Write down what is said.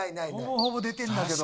ほぼほぼ出てるんだけど。